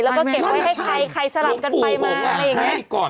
แล้วก็เก็บไว้ให้ใครใครสลัดกันไปมาอะไรอย่างเงี้ยลุงปู่ผมอ่ะให้ก่อน